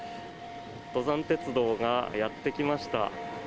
登山鉄道がやってきました。